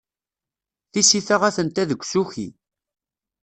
Tisita atenta deg usuki.